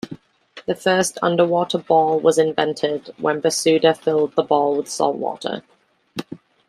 The first underwater ball was invented when Bersuda filled the ball with saltwater.